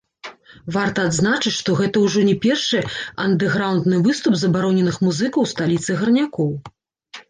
Варта адзначыць, што гэта ўжо не першы андэрграўндны выступ забароненых музыкаў у сталіцы гарнякоў.